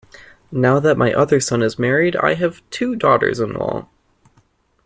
Now that my other son is married I have two daughters-in-law.